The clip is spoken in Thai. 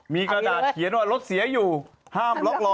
มีกระดาษเขียนว่ารถเสียอยู่ห้ามล็อกล้อ